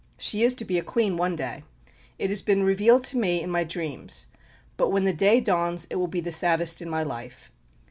She is to be a Queen one day. It has been revealed to me in my dreams. But when the day dawns it will be the saddest in my life."